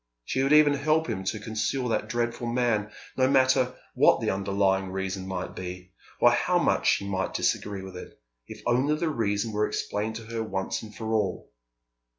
She would even help him to conceal that dreadful man, no matter what the underlying reason might be, or how much she might disagree with it, if only the reason were explained to her once and for all.